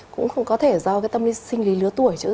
cũng không có thể do cái tâm sinh lý lứa tuổi